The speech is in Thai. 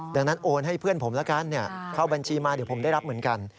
ดังนั้นโอนให้เพื่อนผมละกันเข้าบัญชีมาเดี๋ยวผมได้รับเหมือนกัน